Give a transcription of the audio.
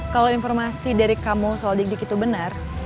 kalau informasi dari kamu soal dig dik itu benar